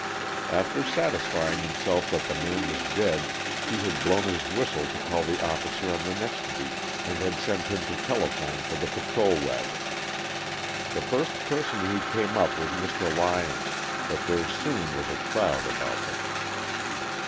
After satisfying himself that the man was dead he had blown his whistle to call the officer on the next beat, and had sent him to telephone for the patrol wagon. The first person who came up was Mr. Lyon, but there soon was a crowd about them.